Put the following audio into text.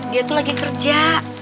dia tuh lagi kerja